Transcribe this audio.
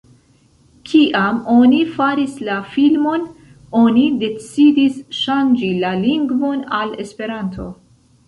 Kiam oni faris la filmon, oni decidis ŝanĝi la lingvon al Esperanto.